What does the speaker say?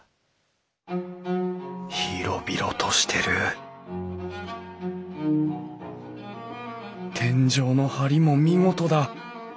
広々としてる天井の梁も見事だ！